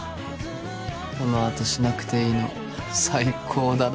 このあとしなくていいの最高だな。